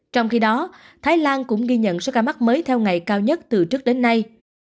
trong khi đó thái lan cũng ghi nhận số ca mắc mới theo ngày cao nhất từ trước đến nay